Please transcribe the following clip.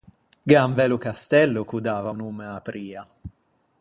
Gh'ea un bello castello ch'o dava o nomme a-a Pria.